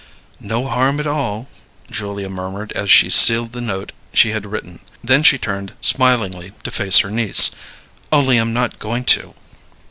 "No harm at all," Julia murmured as she sealed the note she had written. Then she turned smilingly to face her niece. "Only I'm not going to."